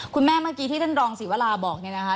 เมื่อกี้ที่ท่านรองศรีวราบอกเนี่ยนะคะ